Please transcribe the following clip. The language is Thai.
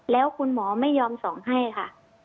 แล้วคุณหมอไม่ยอมส่องให้ค่ะ